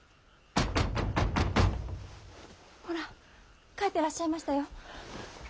ほら帰ってらっしゃいましたよ。